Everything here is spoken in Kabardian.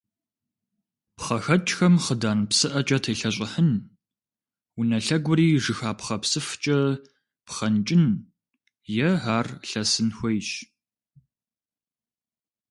ПхъэхэкӀхэм хъыдан псыӀэкӀэ телъэщӀыхьын, унэ лъэгури жыхапхъэ псыфкӀэ пхъэнкӀын е ар лъэсын хуейщ.